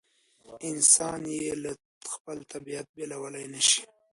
انسان یې له خپل طبیعت بېلولای نه شي.